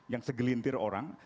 yang segelintir orang